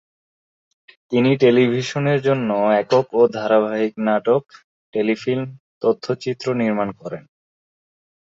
তিনি টেলিভিশনের জন্য একক ও ধারাবাহিক নাটক, টেলিফিল্ম, তথ্যচিত্র নির্মাণ করেন।